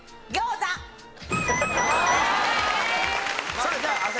さあじゃあ亜生。